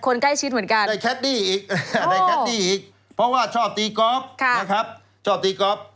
คนใกล้ชิดเหมือนกันได้แคดดี้อีกได้แคดดี้อีกเพราะว่าชอบตีก๊อฟนะครับชอบตีก๊อฟ